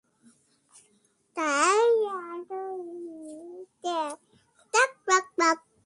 কিন্তু একজন দুর্বল লোক শ্রেষ্ট রাজবংশের পরম্পরাকে বিনষ্ট করতে পারে।